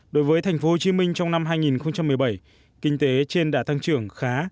đối với thành phố hồ chí minh trong năm hai nghìn một mươi bảy kinh tế trên đã tăng trưởng khá